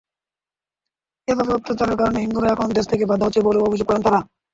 এসব অত্যাচারের কারণে হিন্দুরা এখন দেশত্যাগে বাধ্য হচ্ছে বলেও অভিযোগ করেন তাঁরা।